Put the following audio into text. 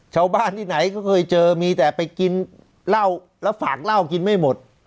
ชาวบ้านที่ไหนก็เคยเจอมีแต่ไปกินเหล้าแล้วฝากเหล้ากินไม่หมด